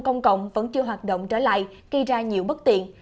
công cộng vẫn chưa hoạt động trở lại gây ra nhiều bất tiện